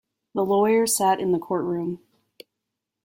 The lawyer sat in the courtroom.